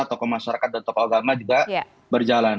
tokoh masyarakat dan tokoh agama juga berjalan